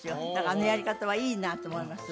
あのやり方はいいなと思います